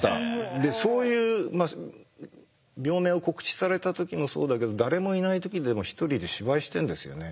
でそういう病名を告知された時もそうだけど誰もいない時でも一人で芝居してんですよね。